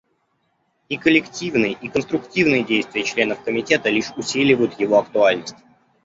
И коллективные и конструктивные действия членов Комитета лишь усиливают его актуальность.